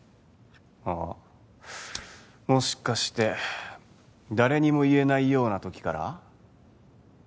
あもしかして誰にも言えないようなときから？